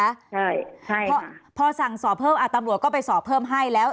ใช่ให้พอสั่งสอบเพิ่มอ่ะตำรวจก็ไปสอบเพิ่มให้แล้ว